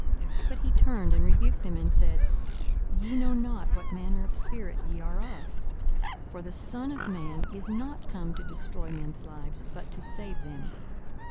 42:009:055 But he turned, and rebuked them, and said, Ye know not what manner of spirit ye are of. 42:009:056 For the Son of man is not come to destroy men's lives, but to save them.